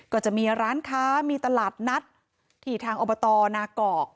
ก็จะมีร้านค้ามีตลาดนัดที่ทางอบตนากอก